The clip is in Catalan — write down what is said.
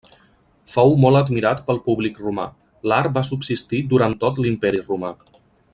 Fou molt admirat pel públic romà; l'art va subsistir durant tot l'Imperi romà.